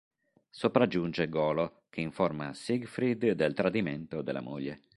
Sopraggiunge Golo che informa Siegfried del tradimento della moglie.